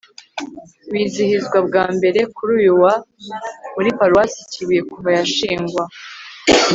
wizihizwa bwa mbere kuri uyu wa muri paruwasi kibuye kuva yashingwa